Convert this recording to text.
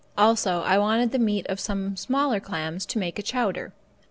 Also, I wanted the meat of some of the smaller clams to make a chowder.